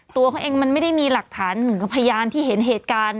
ตัวเขาเองมันไม่ได้มีหลักฐานเหมือนกับพยานที่เห็นเหตุการณ์